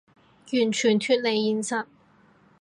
完全脫離現實